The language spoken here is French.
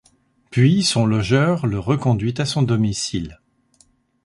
Puis son logeur le reconduit à son domicile.